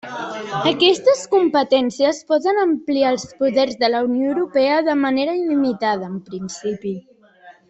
Aquestes competències poden ampliar els poders de la Unió Europea de manera il·limitada en principi.